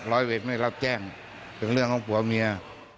ร้อยเวทไม่รับแจ้งถึงเรื่องของผัวเมีย